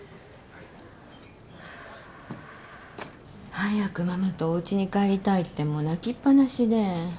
早くママとおうちに帰りたいってもう泣きっ放しで。